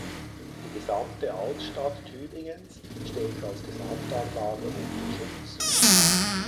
Die gesamte Altstadt Tübingens steht als Gesamtanlage unter Schutz.